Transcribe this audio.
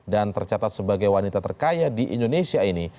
dan tercatat sebagai wanita terkaya di indonesia ini